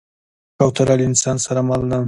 کوتره له انسان سره مل ده.